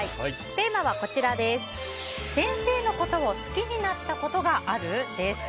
テーマは、先生のことを好きになったことがある？です。